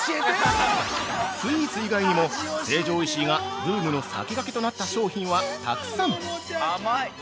◆スイーツ以外にも、成城石井がブームの先駆けとなった商品はたくさん。